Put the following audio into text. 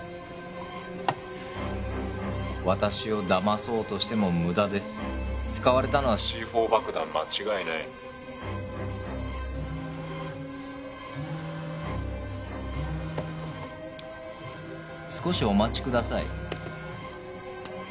私をだまそうとしてもムダです使われたのはＣ４爆弾間違いない少しお待ちください